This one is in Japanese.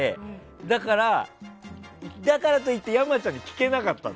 だからだからといって山ちゃんに聞けなかったの。